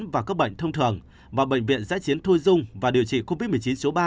và các bệnh thông thường và bệnh viện giã chiến thôi dung và điều trị covid một mươi chín số ba